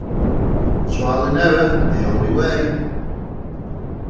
Trial and error. The only way.